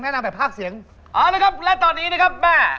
หรอละครับและตอนนี้นะครับมา